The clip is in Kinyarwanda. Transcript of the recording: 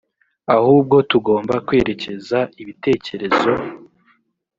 ahubwo tugomba kwerekeza ibitekerezo